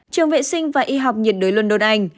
trường vệ sinh và y học nhiệt đới london anh